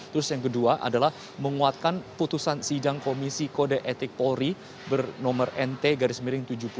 terus yang kedua adalah menguatkan putusan sidang komisi kode etik polri bernomor nt garis miring tujuh puluh tiga